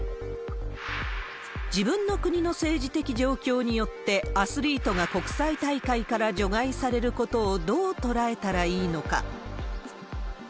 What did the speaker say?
自分の国の政治的状況によって、アスリートが国際大会から除外されることをどう捉えたらいいのか。